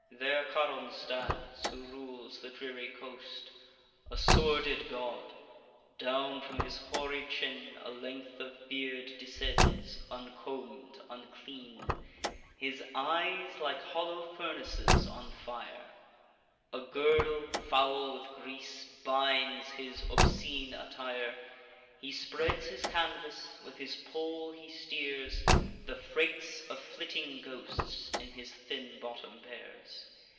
There Charon stands, who rules the dreary coast: A sordid god: down from his hoary chin A length of beard descends, uncomb'd, unclean; His eyes, like hollow furnaces on fire; A girdle, foul with grease, binds his obscene attire. He spreads his canvas; with his pole he steers; The freights of flitting ghosts in his thin bottom bears.